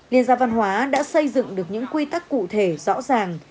liên gia văn hóa đã xây dựng được những quy tắc cụ thể rõ ràng